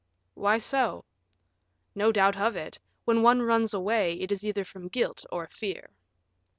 "Why so?" "No doubt of it; when one runs away, it is either from guilt or fear."